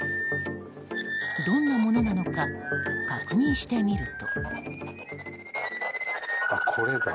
どんなものなのか確認してみると。